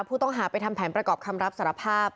ผู้ต้องหาไปทำแผนประกอบคำรับสารภาพ